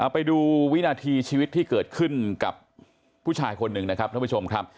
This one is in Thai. ไปดูวินาทีชีวิตที่เกิดขึ้นกับผู้ชายคนหนึ่งนะครับท่านผู้ชมครับ